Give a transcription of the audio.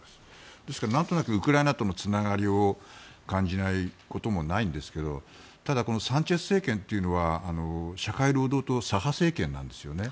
ですからなんとなくウクライナとのつながりを感じないこともないんですがただこのサンチェス政権というのは社会労働党左派政権なんですよね。